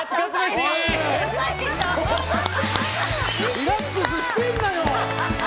リラックスしてんなよ！